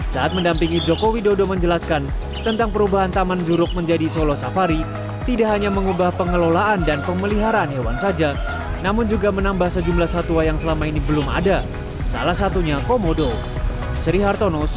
jangan lupa like share dan subscribe ya